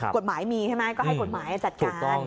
กฎหมายมีใช่ไหมก็ให้กฎหมายจัดการ